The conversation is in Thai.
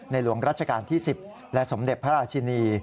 หลวงรัชกาลที่๑๐และสมเด็จพระราชินี